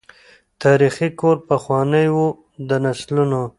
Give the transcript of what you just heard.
تاریخي کور پخوانی وو د نسلونو